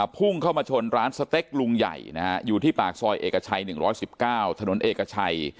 พุ่งเข้ามาชนร้านสเต็กลุงใหญ่อยู่ที่ปากซอยเอกชัย๑๑๙ถนนเอกชัย